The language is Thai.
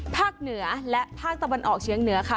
เหนือและภาคตะวันออกเชียงเหนือค่ะ